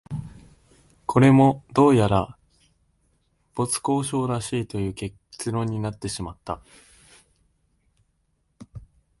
これも、どうやら没交渉らしいという結論になってしまいました